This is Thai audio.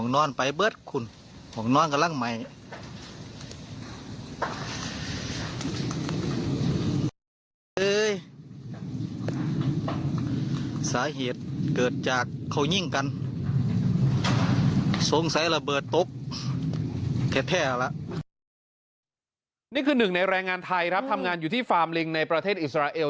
นี่คือหนึ่งในแรงงานไทยครับทำงานอยู่ที่ฟาร์มลิงในประเทศอิสราเอล